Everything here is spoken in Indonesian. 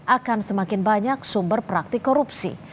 akan semakin banyak sumber praktik korupsi